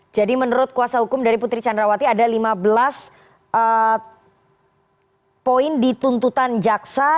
jadi menurut kuasa hukum dari putri candrawati ada lima belas poin dituntutan jaksa